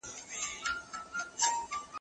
زه پاک یم.